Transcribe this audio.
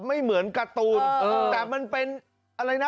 เหมือนการ์ตูนแต่มันเป็นอะไรนะ